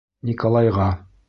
— Николайға.